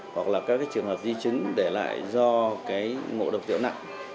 hoặc là các trường hợp di chứng để lại do ngộ độc rượu nặng